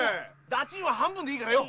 駄賃は半分でいいからよ！